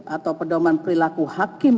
atau perdauman perilaku hakim